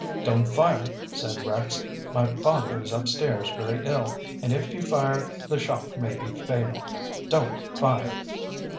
'Don't fire!' said Rex, 'my father is upstairs very ill, and if you fire the shock may be fatal. Don't fire!'